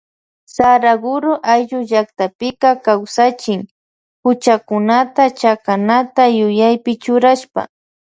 Saraguro ayllu llaktapika kawsachin huchakunata chakanata yuyaypi churashpa.